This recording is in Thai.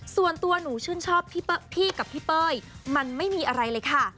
ส่วนตัวหนูชื่นชอบพี่กับพี่เป้ยมันไม่มีอะไรเลยค่ะ